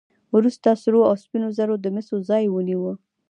وروسته سرو او سپینو زرو د مسو ځای ونیو.